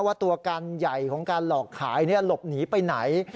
ว่าตัวการใหญ่ของการหลอกขายหลบหนีไปไหน